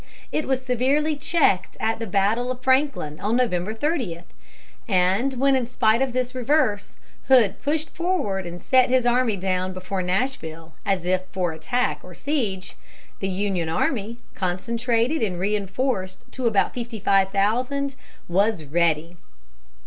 It was severely checked at the battle of Franklin on November 30; and when, in spite of this reverse, Hood pushed forward and set his army down before Nashville as if for attack or siege, the Union army, concentrated and reinforced to about fifty five thousand, was ready.